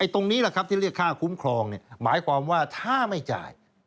ตรงนี้แหละครับที่เรียกค่าคุ้มครองหมายความว่าถ้าไม่จ่าย